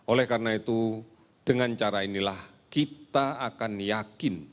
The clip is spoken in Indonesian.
oleh karena itu dengan cara inilah kita akan yakin